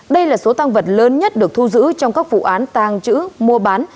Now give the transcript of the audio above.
đây là số tăng vật lớn nhất được thu giữ trong các vụ án tàng trữ mua bán